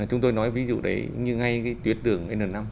chúng tôi nói ví dụ đấy như ngay cái tuyến đường n năm